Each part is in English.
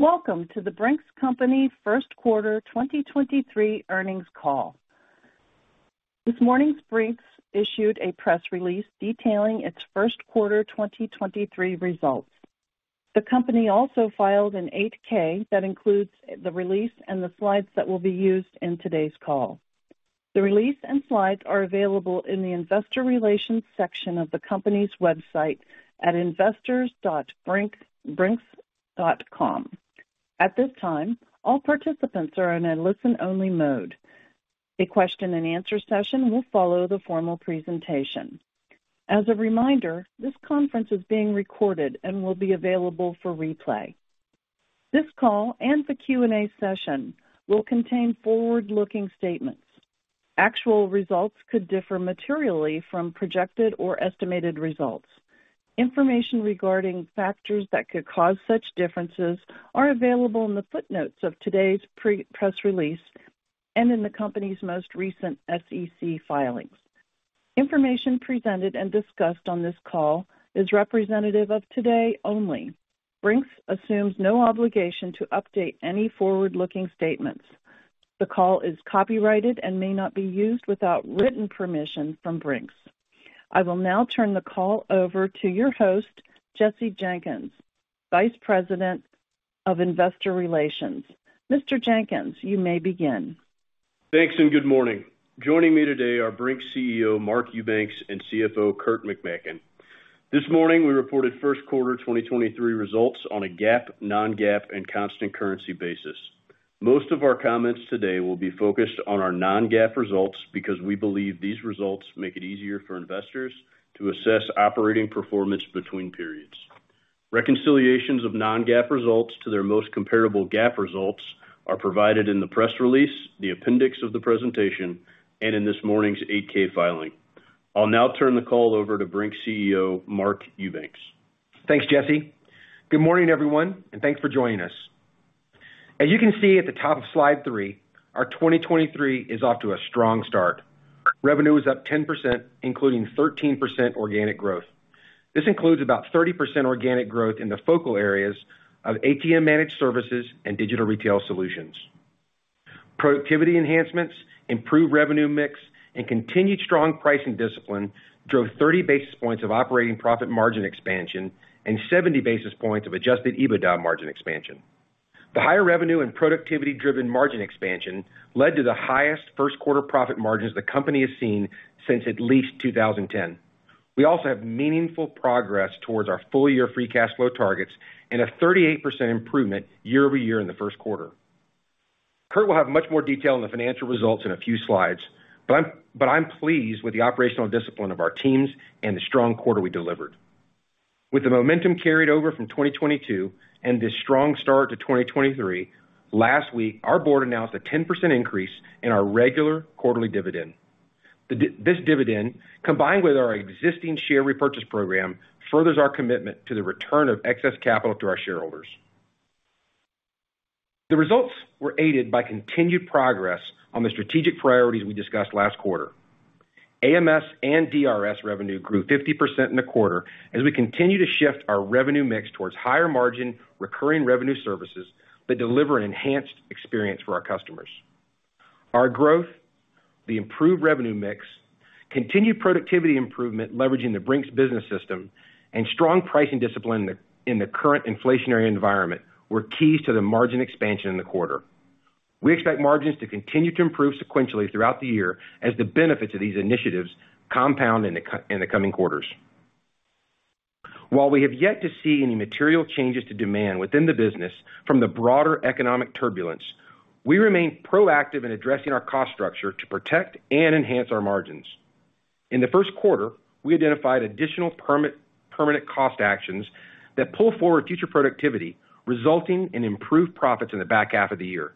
Welcome to The Brink's Company First Quarter 2023 earnings call. This morning, Brink's issued a press release detailing its first quarter 2023 results. The company also filed an 8-K that includes the release and the slides that will be used in today's call. The release and slides are available in the investor relations section of the company's website at investors.brinks.com. At this time, all participants are in a listen-only mode. A question and answer session will follow the formal presentation. As a reminder, this conference is being recorded and will be available for replay. This call and the Q&A session will contain forward-looking statements. Actual results could differ materially from projected or estimated results. Information regarding factors that could cause such differences are available in the footnotes of today's pre-press release and in the company's most recent SEC filings. Information presented and discussed on this call is representative of today only. Brink's assumes no obligation to update any forward-looking statements. The call is copyrighted and may not be used without written permission from Brink's. I will now turn the call over to your host, Jesse Jenkins, Vice President of Investor Relations. Mr. Jenkins, you may begin. Thanks and good morning. Joining me today are Brink's CEO Mark Eubanks and CFO Kurt McMaken. This morning we reported first quarter 2023 results on a GAAP, non-GAAP and constant currency basis. Most of our comments today will be focused on our non-GAAP results because we believe these results make it easier for investors to assess operating performance between periods. Reconciliations of non-GAAP results to their most comparable GAAP results are provided in the press release, the appendix of the presentation and in this morning's 8-K filing. I'll now turn the call over to Brink's CEO Mark Eubanks. Thanks, Jesse. Good morning, everyone, and thanks for joining us. As you can see at the top of slide 3, our 2023 is off to a strong start. Revenue is up 10%, including 13% organic growth. This includes about 30% organic growth in the focal areas of ATM managed services and digital retail solutions. Productivity enhancements, improved revenue mix and continued strong pricing discipline drove 30 basis points of operating profit margin expansion and 70 basis points of adjusted EBITDA margin expansion. The higher revenue and productivity driven margin expansion led to the highest first quarter profit margins the company has seen since at least 2010. We also have meaningful progress towards our full-year free cash flow targets and a 38% improvement year-over-year in the first quarter. Kurt will have much more detail on the financial results in a few slides, I'm pleased with the operational discipline of our teams and the strong quarter we delivered. With the momentum carried over from 2022 and this strong start to 2023, last week our board announced a 10% increase in our regular quarterly dividend. This dividend, combined with our existing share repurchase program, furthers our commitment to the return of excess capital to our shareholders. The results were aided by continued progress on the strategic priorities we discussed last quarter. AMS and DRS revenue grew 50% in the quarter as we continue to shift our revenue mix towards higher margin recurring revenue services that deliver an enhanced experience for our customers. Our growth, the improved revenue mix, continued productivity improvement leveraging the Brink's business system and strong pricing discipline in the current inflationary environment were keys to the margin expansion in the quarter. We expect margins to continue to improve sequentially throughout the year as the benefits of these initiatives compound in the coming quarters. We have yet to see any material changes to demand within the business from the broader economic turbulence, we remain proactive in addressing our cost structure to protect and enhance our margins. In the first quarter, we identified additional permanent cost actions that pull forward future productivity, resulting in improved profits in the back half of the year.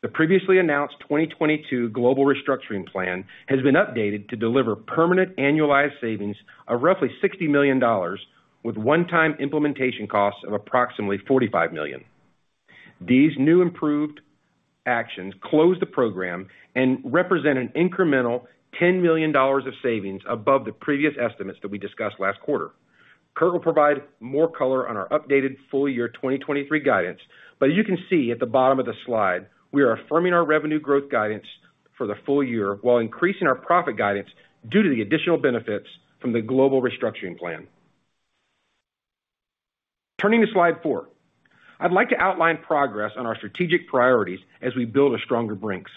The previously announced 2022 global restructuring plan has been updated to deliver permanent annualized savings of roughly $60 million, with one-time implementation costs of approximately $45 million. These new improved actions close the program and represent an incremental $10 million of savings above the previous estimates that we discussed last quarter. Kurt will provide more color on our updated full year 2023 guidance. As you can see at the bottom of the slide, we are affirming our revenue growth guidance for the full year while increasing our profit guidance due to the additional benefits from the global restructuring plan. Turning to slide 4. I'd like to outline progress on our strategic priorities as we build a stronger Brink's.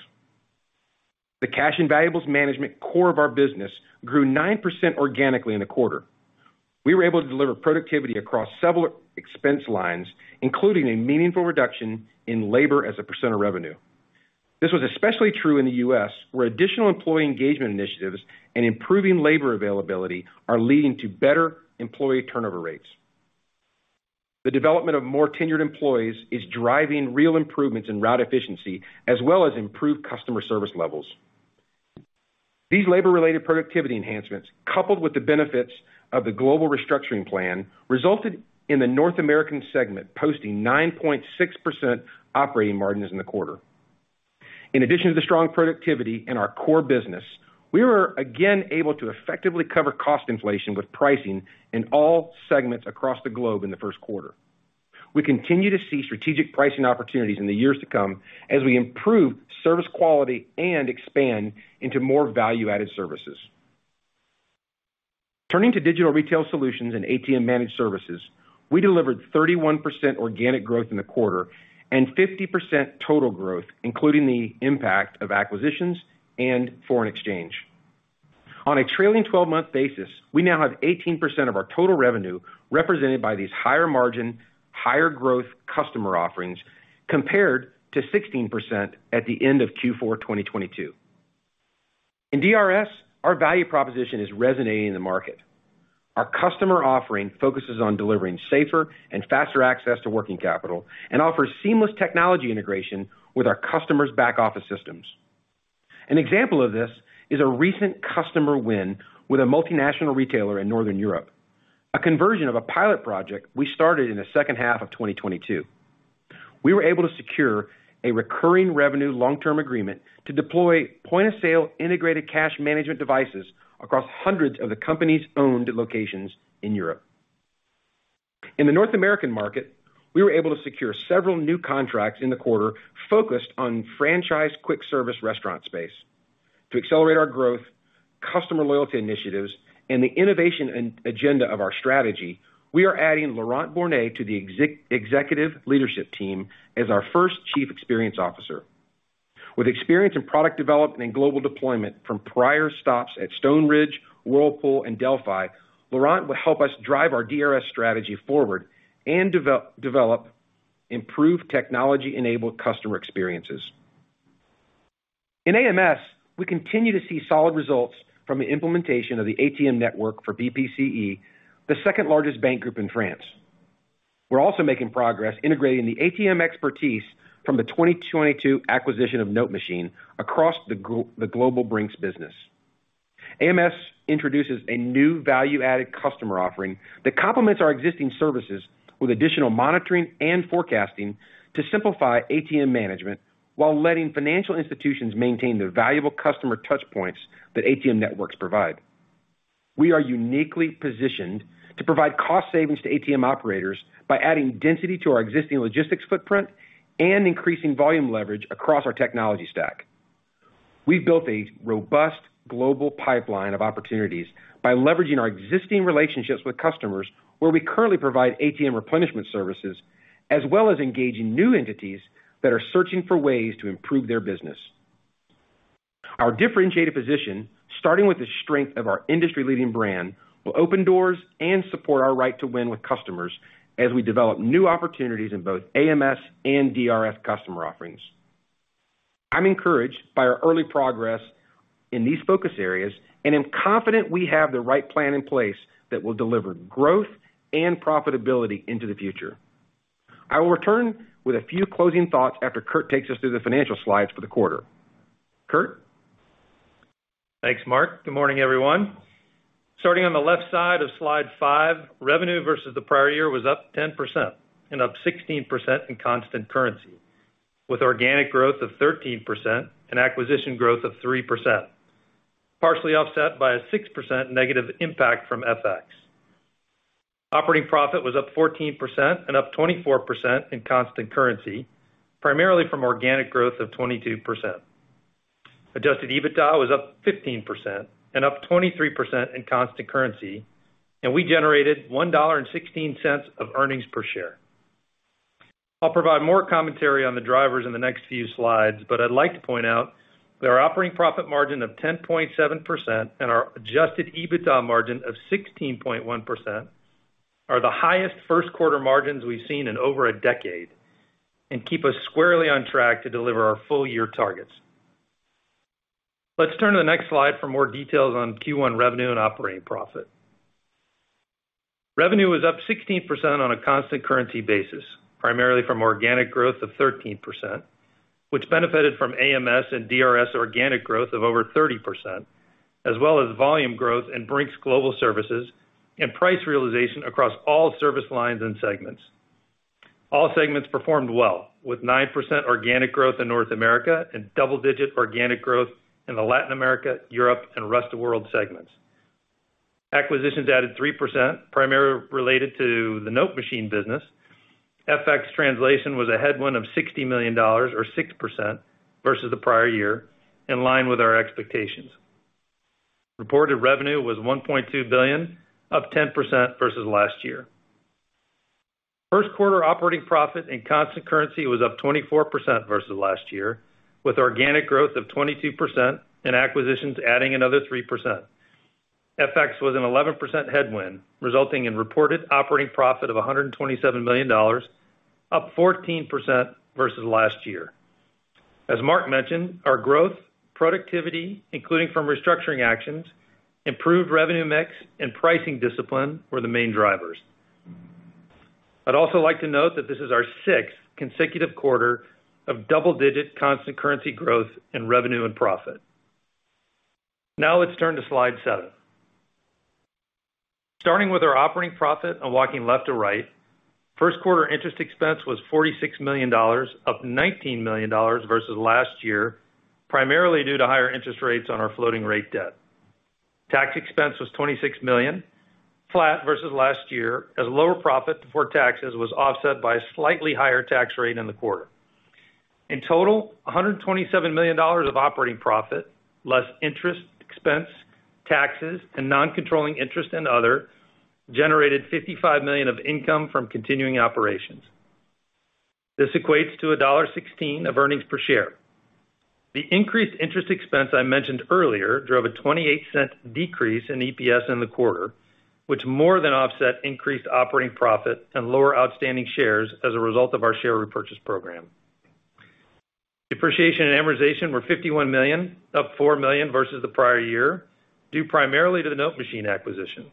The cash and valuables management core of our business grew 9% organically in the quarter. We were able to deliver productivity across several expense lines, including a meaningful reduction in labor as a % of revenue. This was especially true in the U.S., where additional employee engagement initiatives and improving labor availability are leading to better employee turnover rates. The development of more tenured employees is driving real improvements in route efficiency as well as improved customer service levels. These labor-related productivity enhancements, coupled with the benefits of the global restructuring plan, resulted in the North American segment posting 9.6% operating margins in the quarter. In addition to the strong productivity in our core business, we were again able to effectively cover cost inflation with pricing in all segments across the globe in the first quarter. We continue to see strategic pricing opportunities in the years to come as we improve service quality and expand into more value-added services. Turning to digital retail solutions and ATM managed services, we delivered 31% organic growth in the quarter and 50% total growth, including the impact of acquisitions and foreign exchange. On a trailing 12-month basis, we now have 18% of our total revenue represented by these higher margin, higher growth customer offerings compared to 16% at the end of Q4, 2022. In DRS, our value proposition is resonating in the market. Our customer offering focuses on delivering safer and faster access to working capital and offers seamless technology integration with our customers' back-office systems. An example of this is a recent customer win with a multinational retailer in Northern Europe, a conversion of a pilot project we started in the second half of 2022. We were able to secure a recurring revenue long-term agreement to deploy point-of-sale integrated cash management devices across hundreds of the company's owned locations in Europe. North American market, we were able to secure several new contracts in the quarter focused on franchise quick service restaurant space. To accelerate our growth, customer loyalty initiatives, and the innovation and agenda of our strategy, we are adding Laurent Borne to the executive leadership team as our first Chief Experience Officer. With experience in product development and global deployment from prior stops at Stoneridge, Whirlpool and Delphi, Laurent will help us drive our DRS strategy forward and develop improved technology-enabled customer experiences. AMS, we continue to see solid results from the implementation of the ATM network for BPCE, the second-largest bank group in France. We're also making progress integrating the ATM expertise from the 2022 acquisition of NoteMachine across the global Brink's business. AMS introduces a new value-added customer offering that complements our existing services with additional monitoring and forecasting to simplify ATM management while letting financial institutions maintain their valuable customer touch points that ATM networks provide. We are uniquely positioned to provide cost savings to ATM operators by adding density to our existing logistics footprint and increasing volume leverage across our technology stack. We've built a robust global pipeline of opportunities by leveraging our existing relationships with customers where we currently provide ATM replenishment services, as well as engaging new entities that are searching for ways to improve their business. Our differentiated position, starting with the strength of our industry-leading brand, will open doors and support our right to win with customers as we develop new opportunities in both AMS and DRS customer offerings. I'm encouraged by our early progress in these focus areas, and I'm confident we have the right plan in place that will deliver growth and profitability into the future. I will return with a few closing thoughts after Kurt takes us through the financial slides for the quarter. Kurt? Thanks, Mark. Good morning, everyone. Starting on the left side of slide 5, revenue versus the prior year was up 10% and up 16% in constant currency, with organic growth of 13% and acquisition growth of 3%, partially offset by a 6% negative impact from FX. Operating profit was up 14% and up 24% in constant currency, primarily from organic growth of 22%. Adjusted EBITDA was up 15% and up 23% in constant currency, and we generated $1.16 of earnings per share. I'll provide more commentary on the drivers in the next few slides, but I'd like to point out that our operating profit margin of 10.7% and our adjusted EBITDA margin of 16.1% are the highest first quarter margins we've seen in over a decade, and keep us squarely on track to deliver our full year targets. Let's turn to the next slide for more details on Q1 revenue and operating profit. Revenue was up 16% on a constant currency basis, primarily from organic growth of 13%, which benefited from AMS and DRS organic growth of over 30%, as well as volume growth in Brink's Global Services and price realization across all service lines and segments. All segments performed well with 9% organic growth in North America and double-digit organic growth in the Latin America, Europe, and rest of world segments. Acquisitions added 3% primarily related to the NoteMachine business. FX translation was a headwind of $60 million or 6% versus the prior year in line with our expectations. Reported revenue was $1.2 billion, up 10% versus last year. First quarter operating profit and constant currency was up 24% versus last year, with organic growth of 22% and acquisitions adding another 3%. FX was an 11% headwind, resulting in reported operating profit of $127 million, up 14% versus last year. As Mark mentioned, our growth, productivity, including from restructuring actions, improved revenue mix, and pricing discipline were the main drivers. I'd also like to note that this is our sixth consecutive quarter of double-digit constant currency growth in revenue and profit. Let's turn to slide 7. Starting with our operating profit and walking left to right, first quarter interest expense was $46 million, up $19 million versus last year, primarily due to higher interest rates on our floating rate debt. Tax expense was $26 million, flat versus last year, as lower profit before taxes was offset by a slightly higher tax rate in the quarter. In total, $127 million of operating profit, less interest, expense, taxes, and non-controlling interest and other generated $55 million of income from continuing operations. This equates to $1.16 of earnings per share. The increased interest expense I mentioned earlier drove a $0.28 decrease in EPS in the quarter, which more than offset increased operating profit and lower outstanding shares as a result of our share repurchase program. Depreciation and amortization were $51 million, up $4 million versus the prior year, due primarily to the NoteMachine acquisition.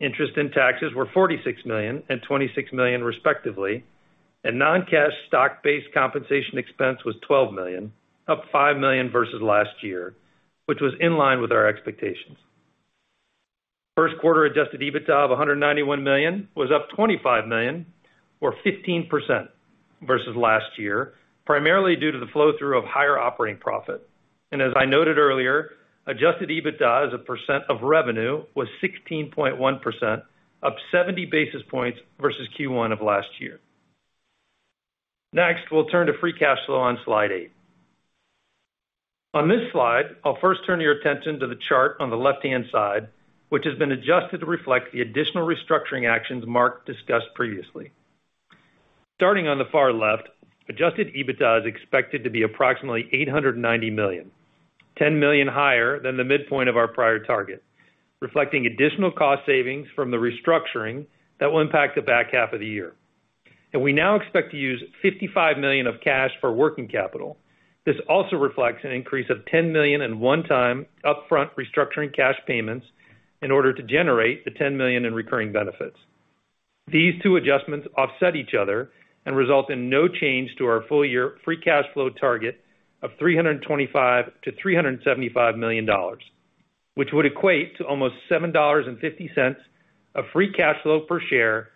Interest and taxes were $46 million and $26 million respectively. Non-cash stock-based compensation expense was $12 million, up $5 million versus last year, which was in line with our expectations. First quarter adjusted EBITDA of $191 million was up $25 million or 15% versus last year, primarily due to the flow-through of higher operating profit. As I noted earlier, adjusted EBITDA as a percent of revenue was 16.1%, up 70 basis points versus Q1 of last year. Next, we'll turn to free cash flow on slide 8. On this slide, I'll first turn your attention to the chart on the left-hand side, which has been adjusted to reflect the additional restructuring actions Mark discussed previously. Starting on the far left, adjusted EBITDA is expected to be approximately $890 million, $10 million higher than the midpoint of our prior target, reflecting additional cost savings from the restructuring that will impact the back half of the year. We now expect to use $55 million of cash for working capital. This also reflects an increase of $10 million in one-time upfront restructuring cash payments in order to generate the $10 million in recurring benefits. These two adjustments offset each other and result in no change to our full year free cash flow target of $325 million-$375 million, which would equate to almost $7.50 of free cash flow per share,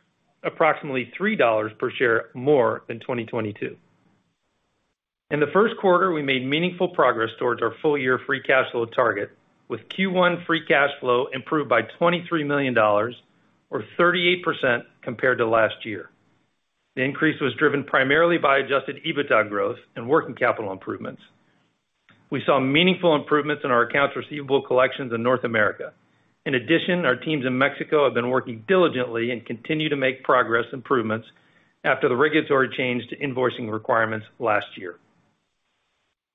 approximately $3 per share more than 2022. In the first quarter, we made meaningful progress towards our full-year free cash flow target, with Q1 free cash flow improved by $23 million or 38% compared to last year. The increase was driven primarily by adjusted EBITDA growth and working capital improvements. We saw meaningful improvements in our accounts receivable collections in North America. In addition, our teams in Mexico have been working diligently and continue to make progress improvements after the regulatory change to invoicing requirements last year.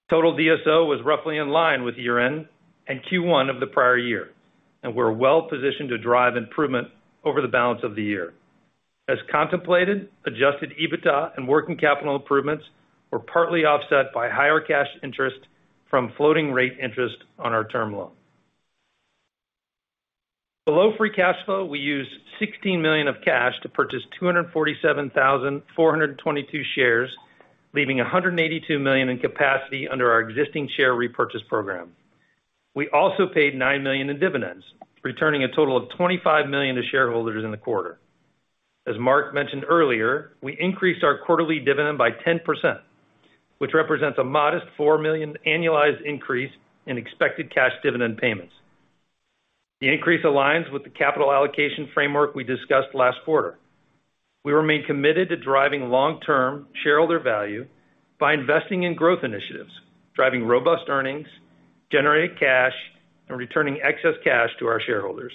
Total DSO was roughly in line with year-end and Q1 of the prior year, and we're well positioned to drive improvement over the balance of the year. As contemplated, adjusted EBITDA and working capital improvements were partly offset by higher cash interest from floating rate interest on our term loan. Below free cash flow, we used $16 million of cash to purchase 247,422 shares, leaving $182 million in capacity under our existing share repurchase program. We also paid $9 million in dividends, returning a total of $25 million to shareholders in the quarter. As Mark mentioned earlier, we increased our quarterly dividend by 10%, which represents a modest $4 million annualized increase in expected cash dividend payments. The increase aligns with the capital allocation framework we discussed last quarter. We remain committed to driving long-term shareholder value by investing in growth initiatives, driving robust earnings, generating cash, and returning excess cash to our shareholders.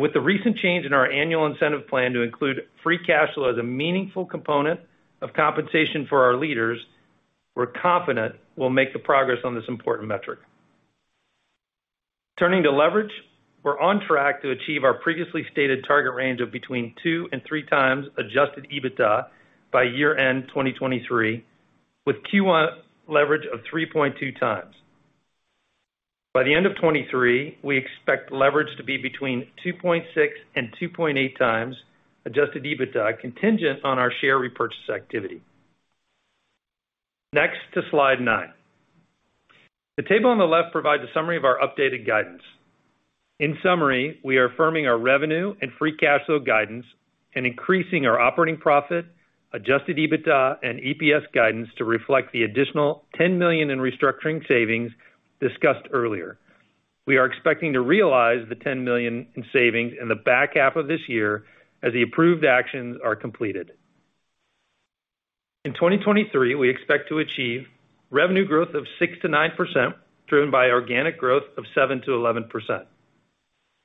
With the recent change in our annual incentive plan to include free cash flow as a meaningful component of compensation for our leaders, we're confident we'll make the progress on this important metric. Turning to leverage, we're on track to achieve our previously stated target range of between 2 and 3 times adjusted EBITDA by year-end 2023, with Q1 leverage of 3.2 times. By the end of 2023, we expect leverage to be between 2.6 and 2.8 times adjusted EBITDA contingent on our share repurchase activity. Next to slide 9. The table on the left provides a summary of our updated guidance. In summary, we are affirming our revenue and free cash flow guidance and increasing our operating profit, adjusted EBITDA, and EPS guidance to reflect the additional $10 million in restructuring savings discussed earlier. We are expecting to realize the $10 million in savings in the back half of this year as the approved actions are completed. In 2023, we expect to achieve revenue growth of 6%-9%, driven by organic growth of 7%-11%.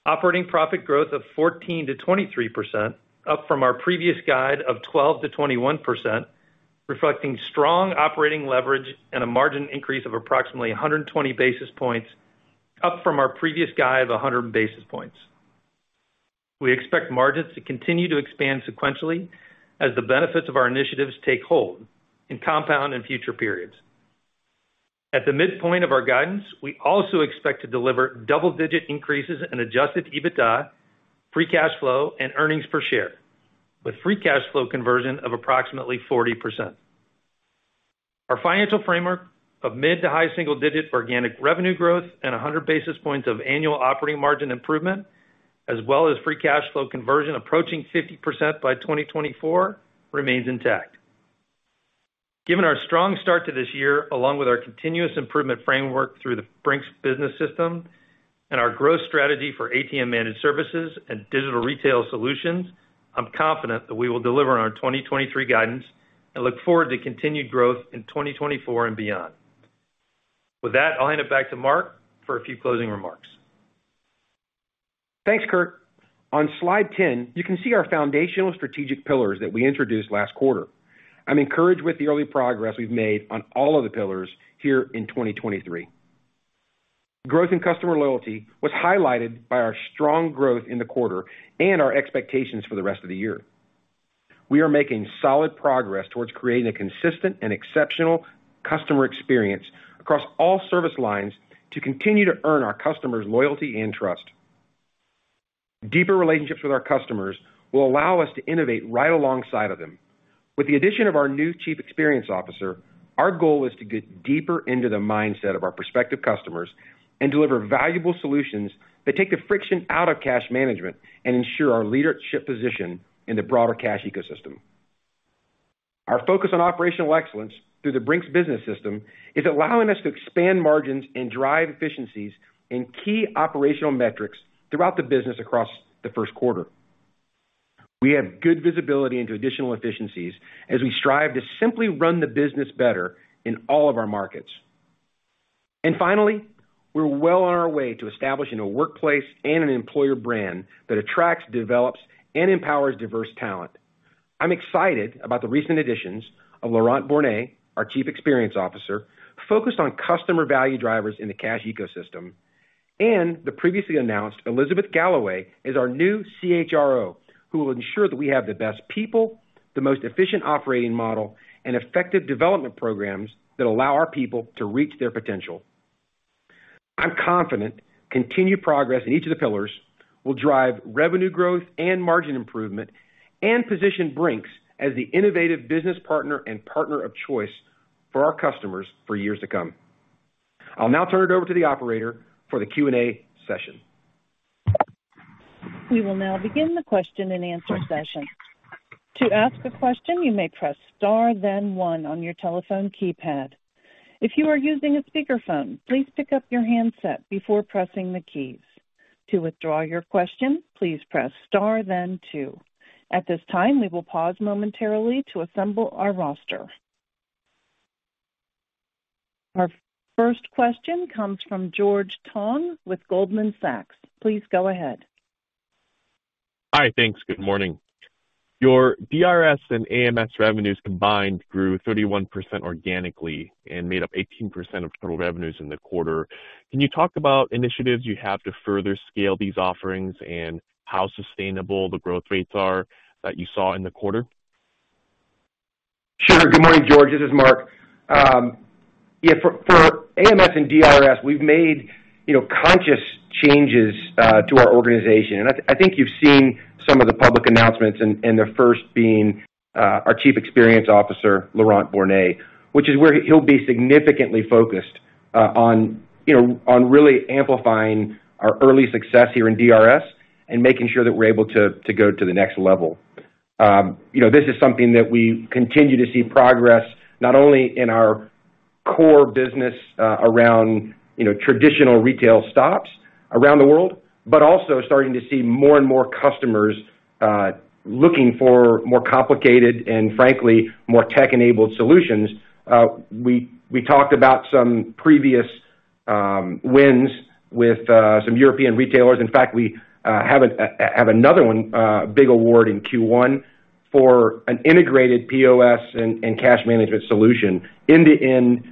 Operating profit growth of 14%-23%, up from our previous guide of 12%-21%, reflecting strong operating leverage and a margin increase of approximately 120 basis points, up from our previous guide of 100 basis points. We expect margins to continue to expand sequentially as the benefits of our initiatives take hold and compound in future periods. At the midpoint of our guidance, we also expect to deliver double-digit increases in adjusted EBITDA, free cash flow, and earnings per share, with free cash flow conversion of approximately 40%. Our financial framework of mid-to-high single-digit organic revenue growth and 100 basis points of annual operating margin improvement, as well as free cash flow conversion approaching 50% by 2024 remains intact. Given our strong start to this year, along with our continuous improvement framework through the Brink's business system and our growth strategy for ATM managed services and digital retail solutions, I'm confident that we will deliver on our 2023 guidance and look forward to continued growth in 2024 and beyond. With that, I'll hand it back to Mark for a few closing remarks. Thanks, Kurt. On slide 10, you can see our foundational strategic pillars that we introduced last quarter. I'm encouraged with the early progress we've made on all of the pillars here in 2023. Growth in customer loyalty was highlighted by our strong growth in the quarter and our expectations for the rest of the year. We are making solid progress towards creating a consistent and exceptional customer experience across all service lines to continue to earn our customers loyalty and trust. Deeper relationships with our customers will allow us to innovate right alongside of them. With the addition of our new Chief Experience Officer, our goal is to get deeper into the mindset of our prospective customers and deliver valuable solutions that take the friction out of cash management and ensure our leadership position in the broader cash ecosystem. Our focus on operational excellence through the Brink's business system is allowing us to expand margins and drive efficiencies in key operational metrics throughout the business across the first quarter. We have good visibility into additional efficiencies as we strive to simply run the business better in all of our markets. Finally, we're well on our way to establishing a workplace and an employer brand that attracts, develops, and empowers diverse talent. I'm excited about the recent additions of Laurent Borne, our Chief Experience Officer, focused on customer value drivers in the cash ecosystem. The previously announced Elizabeth Galloway is our new CHRO, who will ensure that we have the best people, the most efficient operating model and effective development programs that allow our people to reach their potential. I'm confident continued progress in each of the pillars will drive revenue growth and margin improvement and position Brink's as the innovative business partner and partner of choice for our customers for years to come. I'll now turn it over to the operator for the Q&A session. We will now begin the question and answer session. To ask a question, you may press star 1 on your telephone keypad. If you are using a speaker phone, please pick up your handset before pressing the keys. To withdraw your question, please press star 2. At this time, we will pause momentarily to assemble our roster. Our first question comes from George Tong with Goldman Sachs. Please go ahead. Hi. Thanks. Good morning. Your DRS and AMS revenues combined grew 31% organically and made up 18% of total revenues in the quarter. Can you talk about initiatives you have to further scale these offerings and how sustainable the growth rates are that you saw in the quarter? Sure. Good morning, George. This is Mark., for AMS and DRS, we've made, you know, conscious changes to our organization. I think you've seen some of the public announcements and the first being our Chief Experience Officer, Laurent Borne, which is where he'll be significantly focused on, you know, really amplifying our early success here in DRS and making sure that we're able to go to the next level. You know, this is something that we continue to see progress not only in our core business around, you know, traditional retail stops around the world, but also starting to see more and more customers looking for more complicated and frankly, more tech-enabled solutions. We talked about some previous wins with some European retailers. In fact, we have another one, big award in Q1 for an integrated POS and cash management solution end-to-end, you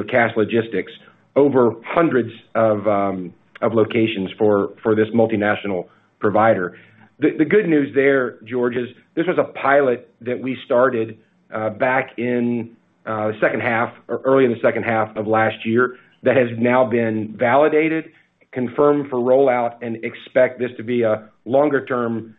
know, cash logistics over hundreds of locations for this multinational provider. The good news there, George, is this was a pilot that we started back in second half or early in the second half of last year that has now been validated, confirmed for rollout, and expect this to be a longer-term,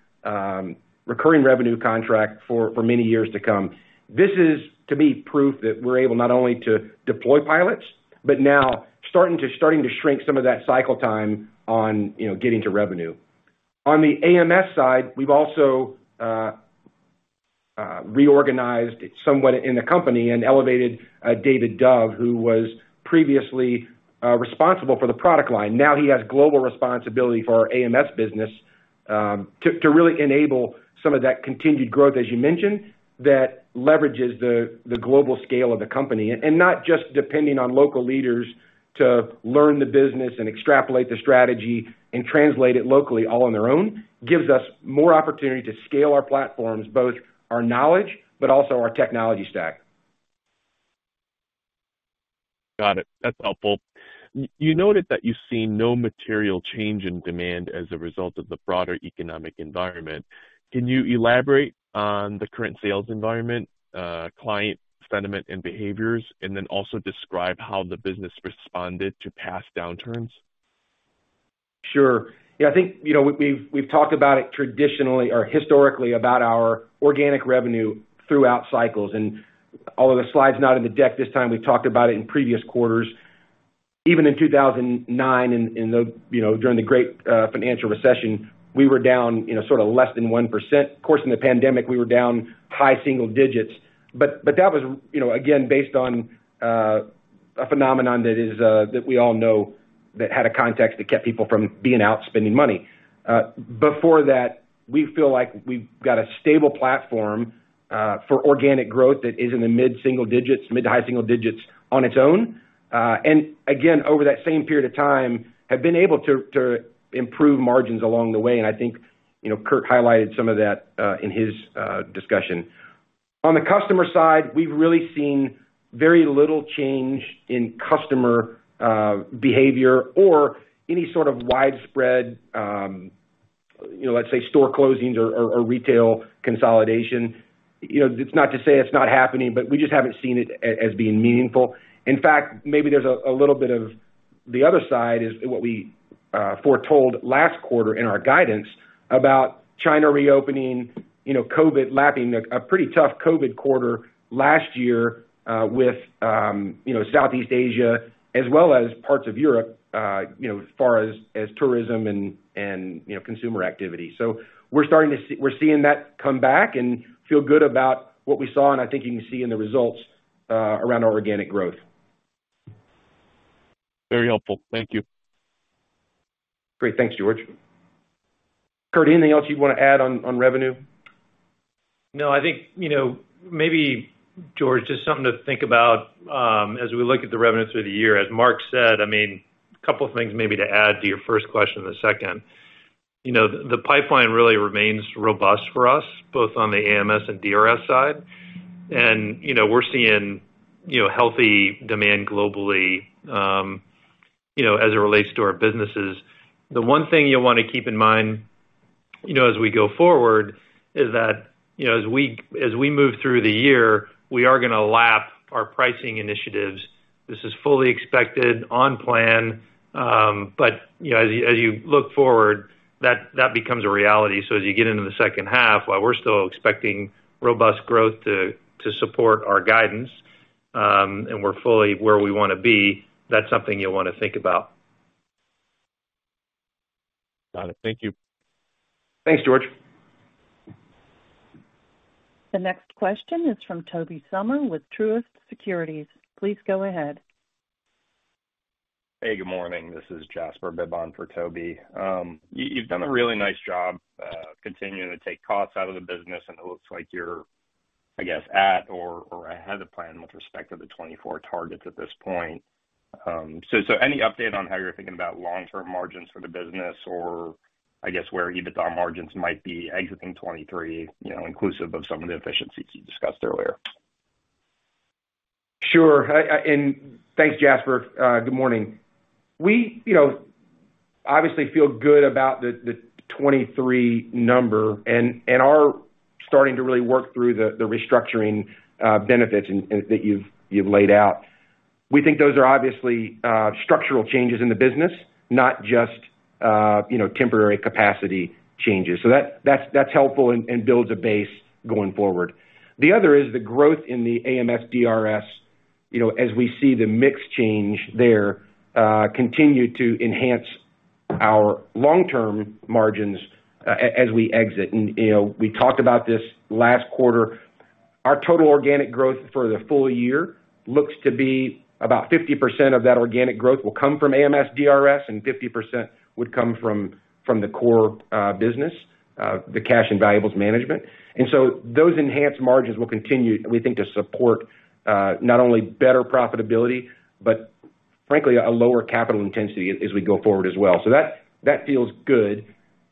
recurring revenue contract for many years to come. This is to be proof that we're able not only to deploy pilots, but now starting to shrink some of that cycle time on, you know, getting to revenue. On the AMS side, we've also reorganized somewhat in the company and elevated David Dove, who was previously responsible for the product line. Now he has global responsibility for our AMS business, to really enable some of that continued growth, as you mentioned, that leverages the global scale of the company. Not just depending on local leaders to learn the business and extrapolate the strategy and translate it locally all on their own. Gives us more opportunity to scale our platforms, both our knowledge, but also our technology stack. Got it. That's helpful. You noted that you've seen no material change in demand as a result of the broader economic environment. Can you elaborate on the current sales environment, client sentiment and behaviors, and then also describe how the business responded to past downturns? Sure. I think, you know, we've talked about it traditionally or historically about our organic revenue throughout cycles. Although the slide's not in the deck this time, we've talked about it in previous quarters. Even in 2009 in the, you know, during the great financial recession, we were down, you know, sort of less than 1%. Of course, in the pandemic, we were down high single digits. But that was, you know, again, based on a phenomenon that is that we all know that had a context that kept people from being out spending money. Before that, we feel like we've got a stable platform for organic growth that is in the mid-single digits, mid to high single digits on its own. Again, over that same period of time, have been able to improve margins along the way. I think, you know, Kurt highlighted some of that in his discussion. On the customer side, we've really seen very little change in customer behavior or any sort of widespread, you know, let's say, store closings or retail consolidation. You know, it's not to say it's not happening, but we just haven't seen it as being meaningful. In fact, maybe there's a little bit of the other side is what we foretold last quarter in our guidance about China reopening, you know, COVID lapping a pretty tough COVID quarter last year, with, you know, Southeast Asia as well as parts of Europe, you know, as far as tourism and, you know, consumer activity. We're seeing that come back and feel good about what we saw, and I think you can see in the results, around our organic growth. Very helpful. Thank you. Great. Thanks, George. Kurt, anything else you'd wanna add on revenue? No, I think, you know, maybe George, just something to think about, as we look at the revenues through the year. As Mark said, I mean, a couple of things maybe to add to your first question and the second. You know, the pipeline really remains robust for us, both on the AMS and DRS side. You know, we're seeing, you know, healthy demand globally, you know, as it relates to our businesses. The one thing you'll wanna keep in mind, you know, as we go forward is that, you know, as we, as we move through the year, we are gonna lap our pricing initiatives. This is fully expected on plan, you know, as you, as you look forward, that becomes a reality. As you get into the second half, while we're still expecting robust growth to support our guidance, and we're fully where we wanna be, that's something you'll wanna think about. Got it. Thank you. Thanks, George. The next question is from Tobey Sommer with Truist Securities. Please go ahead. Good morning. This is Jasper Bibb for Toby. You've done a really nice job continuing to take costs out of the business, and it looks like you're, I guess, at or ahead of plan with respect to the 2024 targets at this point. Any update on how you're thinking about long-term margins for the business or I guess where EBITDA margins might be exiting 2023, you know, inclusive of some of the efficiencies you discussed earlier? Sure. Thanks, Jasper. Good morning. We, you know, obviously feel good about the 23 number and are starting to really work through the restructuring benefits and that you've laid out. We think those are obviously structural changes in the business, not just, you know, temporary capacity changes. So that's helpful and builds a base going forward. The other is the growth in the AMS DRS, you know, as we see the mix change there, continue to enhance our long-term margins as we exit. You know, we talked about this last quarter. Our total organic growth for the full year looks to be about 50% of that organic growth will come from AMS DRS and 50% would come from the core business, the cash and valuables management. Those enhanced margins will continue, we think, to support not only better profitability, but frankly, a lower capital intensity as we go forward as well. That feels good.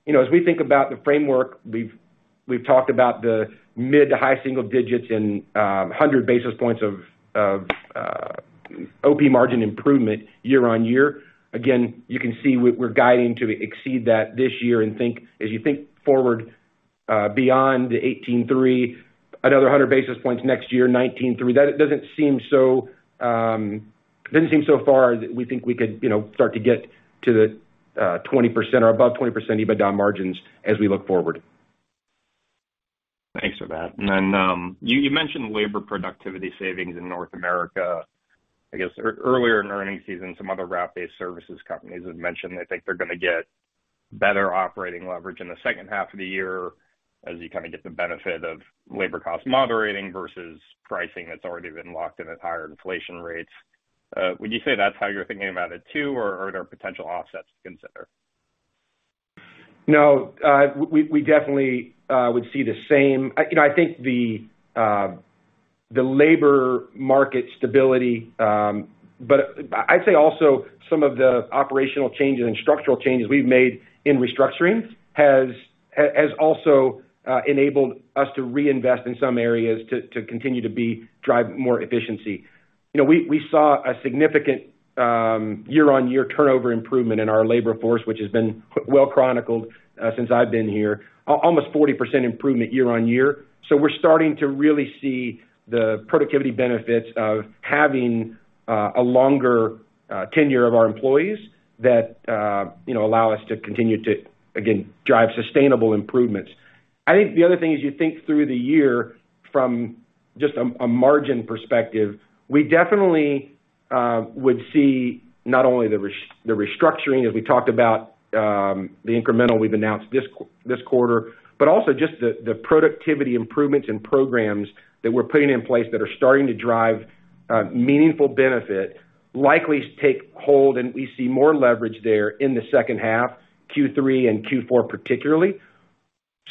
You know, as we think about the framework, we've talked about the mid to high single digits and 100 basis points of OP margin improvement year-over-year. Again, you can see we're guiding to exceed that this year and think as you think forward, beyond the 18.3%, another 100 basis points next year, 19.3%. That doesn't seem so, doesn't seem so far that we think we could, you know, start to get to the 20% or above 20% EBITDA margins as we look forward. Thanks for that. You mentioned labor productivity savings in North America. I guess earlier in earnings season, some other route-based services companies have mentioned they think they're gonna get better operating leverage in the second half of the year as you kinda get the benefit of labor cost moderating versus pricing that's already been locked in at higher inflation rates. Would you say that's how you're thinking about it too, or are there potential offsets to consider? No, we definitely would see the same. You know, I think the labor market stability, I'd say also some of the operational changes and structural changes we've made in restructuring has also enabled us to reinvest in some areas to continue to drive more efficiency. You know, we saw a significant year-over-year turnover improvement in our labor force, which has been well chronicled since I've been here, almost 40% improvement year-over-year. We're starting to really see the productivity benefits of having a longer tenure of our employees that, you know, allow us to continue to, again, drive sustainable improvements. I think the other thing is you think through the year from just a margin perspective, we definitely would see not only the restructuring as we talked about, the incremental we've announced this quarter, but also just the productivity improvements and programs that we're putting in place that are starting to drive meaningful benefit likely take hold, and we see more leverage there in the second half, Q3 and Q4 particularly.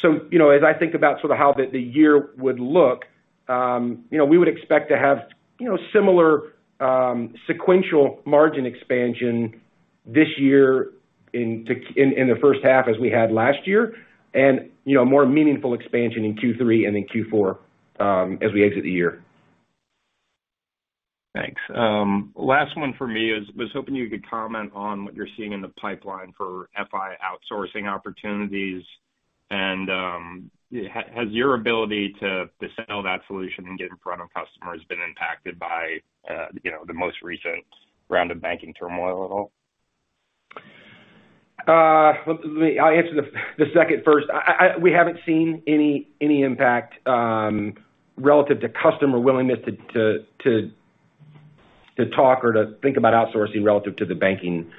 you know, as I think about sort of how the year would look, you know, we would expect to have, you know, similar, sequential margin expansion this year in the first half as we had last year and, you know, more meaningful expansion in Q3 and in Q4, as we exit the year. Thanks. Last one for me is, was hoping you could comment on what you're seeing in the pipeline for FI outsourcing opportunities. Has your ability to sell that solution and get in front of customers been impacted by, you know, the most recent round of banking turmoil at all? Let me answer the second first. We haven't seen any impact, relative to customer willingness to talk or to think about outsourcing relative to the banking,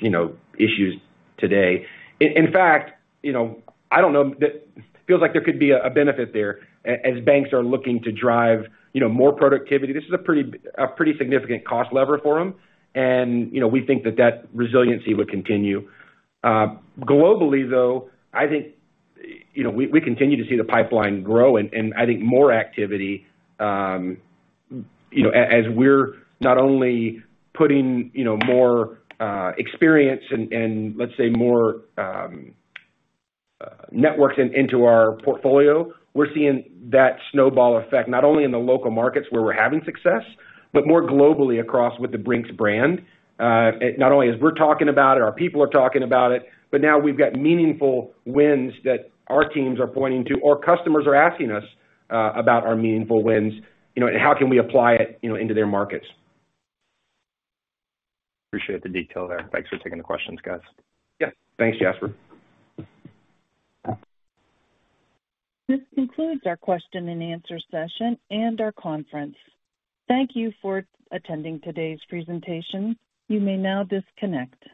you know, issues today. In fact, you know, I don't know, feels like there could be a benefit there as banks are looking to drive, you know, more productivity. This is a pretty significant cost lever for them and, you know, we think that that resiliency would continue. Globally, though, I think, you know, we continue to see the pipeline grow and I think more activity, you know, as we're not only putting, you know, more experience and let's say, more networks into our portfolio. We're seeing that snowball effect not only in the local markets where we're having success, but more globally across with the Brink's brand. Not only as we're talking about it, our people are talking about it, but now we've got meaningful wins that our teams are pointing to, or customers are asking us, about our meaningful wins, you know, and how can we apply it, you know, into their markets. Appreciate the detail there. Thanks for taking the questions, guys. Thanks, Jasper. This concludes our question-and-answer session and our conference. Thank you for attending today's presentation. You may now disconnect.